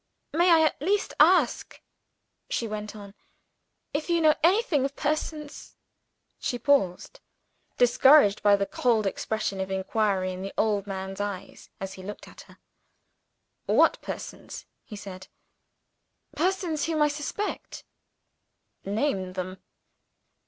"May I at least ask," she went on, "if you know anything of persons " She paused, discouraged by the cold expression of inquiry in the old man's eyes as he looked at her. "What persons?" he said. "Persons whom I suspect." "Name them."